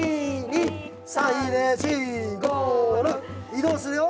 移動するよ。